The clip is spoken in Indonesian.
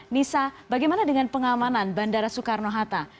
nisa bagaimana dengan pengamanan bandara soekarno hatta